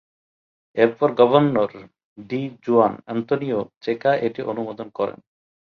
এরপর governor D. Juan Antonio Checa এটি অনুমোদন করেন।